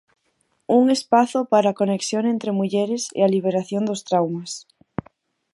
Un espazo para a conexión entre mulleres e a liberación dos traumas.